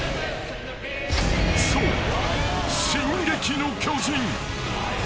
［そう］